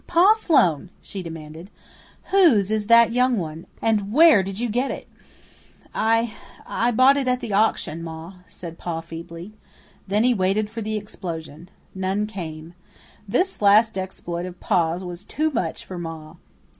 "Pa Sloane," she demanded, "whose is that young one, and where did you get it?" "I I bought it at the auction, Ma," said Pa feebly. Then he waited for the explosion. None came. This last exploit of Pa's was too much for Ma.